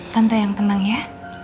tante yang tenang ya